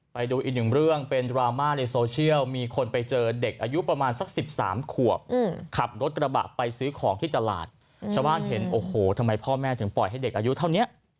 ไปดูอีกหนึ่งเรื่องเป็นดราม่าในโซเชียลมีคนไปเจอเด็กอายุประมาณสัก๑๓ขวบขับรถกระบะไปซื้อของที่ตลาดชาวบ้านเห็นโอ้โหทำไมพ่อแม่ถึงปล่อยให้เด็กอายุเท่านี้